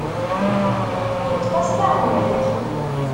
Yeṭṭef-as taɣennant.